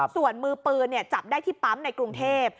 ส่วนมือปืนจับได้ที่ปั๊มในกรุงเทพ